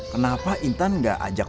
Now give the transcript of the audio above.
kenapa intan gak ajak